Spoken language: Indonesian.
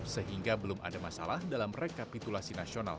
sehingga belum ada masalah dalam rekapitulasi nasional